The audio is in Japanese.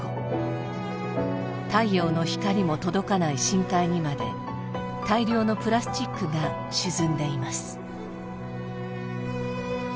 太陽の光も届かない深海にまで大量のプラスチックが沈んでいます。